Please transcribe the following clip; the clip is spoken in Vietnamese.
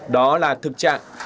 đó là thực trạng